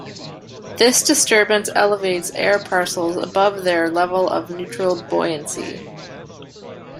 This disturbance elevates air parcels above their level of neutral buoyancy.